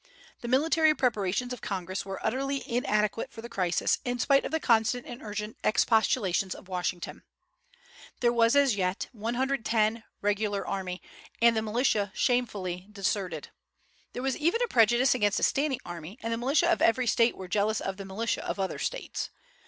The military preparations of Congress were utterly inadequate for the crisis, in spite of the constant and urgent expostulations of Washington. There was, as yet, 110 regular army, and the militia shamefully deserted. There was even a prejudice against a standing army, and the militia of every State were jealous of the militia of other States.